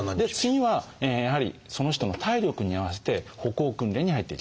次はやはりその人の体力に合わせて歩行訓練に入っていきます。